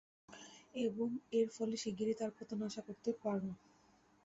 এবং এর ফলে শিগগিরই তার পতন আশা করতে পোর।